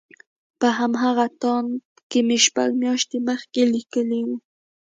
په همغه تاند کې مې شپږ مياشتې مخکې ليکلي وو.